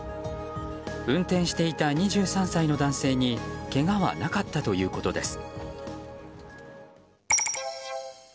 運転していた２３歳の男性にけがはなかったということです。